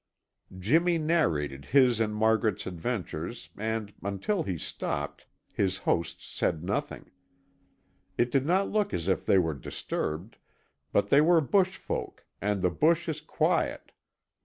Jimmy narrated his and Margaret's adventures and, until he stopped, his hosts said nothing. It did not look as if they were disturbed, but they were bush folk and the bush is quiet.